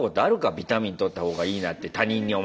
「ビタミンとった方がいい」なんて他人にお前。